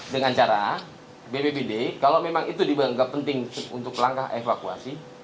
dengan cara bpbd kalau memang itu dianggap penting untuk langkah evakuasi